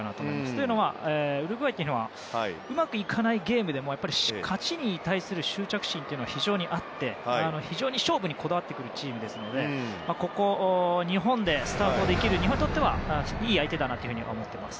というのは、ウルグアイはうまくいかないゲームでも価値に対する執着心が非常にあって非常に勝負にこだわってくるチームなのでここ日本でスタートできる日本にとってはいい相手だなと思っています。